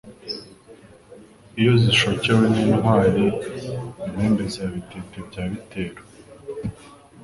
Iyo zishokewe n'intwari Intembe za Bitete bya Bitero